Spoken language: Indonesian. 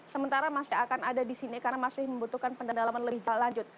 sementara masih akan ada di sini karena masih membutuhkan pendalaman lebih lanjut